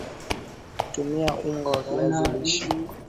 tumia unga wa viazi lishe